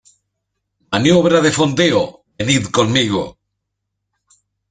¡ maniobra de fondeo, venid conmigo!